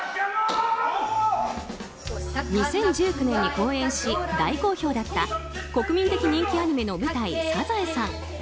２０１９年に公演し大好評だった国民的人気アニメの舞台「サザエさん」。